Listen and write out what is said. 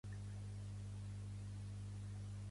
Totes les variacions estan en A menor, excepte quan s'indica.